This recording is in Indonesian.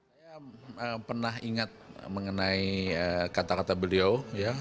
saya pernah ingat mengenai kata kata beliau